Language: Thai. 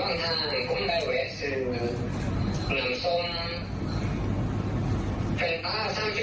เอาเงินที่เหลืออีก๒๖๐บาทไปซื้อกันชาติ